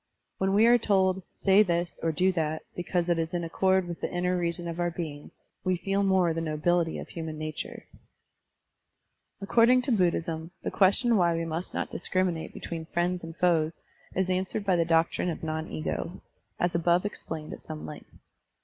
When we are told, "Say this, or do that, because it is in Digitized by Google 46 SERMONS OF A BUDDHIST ABBOT accord with the inner reason of our being," we feel more the nobility of hiiman nature. According to Buddhism, the question why we must not discriminate between friends and foes is answered by the doctrine of non ego, as above explained at some length.